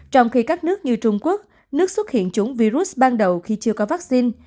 trong khi các nước như trung quốc nước xuất hiện chủng virus ban đầu khi chưa có vaccine